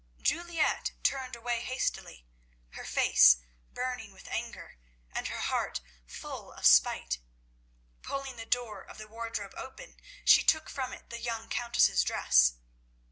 Juliette turned away hastily, her face burning with anger, and her heart full of spite. Pulling the door of the wardrobe open, she took from it the young Countess's dress.